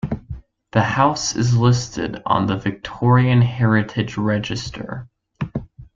The house is listed on the Victorian Heritage Register.